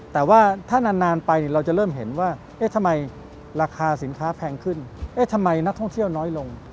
แต่ว่าถ้านานไปเราจะเริ่มเห็นว่าเอ๊ะทำไมราคาสินค้าแพงขึ้นเอ๊ะทำไมนักท่องเที่ยวน้อยลง